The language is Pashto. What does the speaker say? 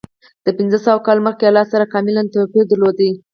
د پنځه سوه کاله مخکې حالت سره کاملا توپیر درلود.